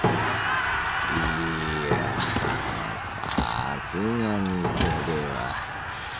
いやさすがにそれは。